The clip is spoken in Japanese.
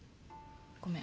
ごめん。